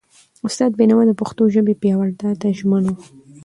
استاد بینوا د پښتو ژبې پیاوړتیا ته ژمن و.